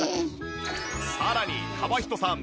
さらに川人さん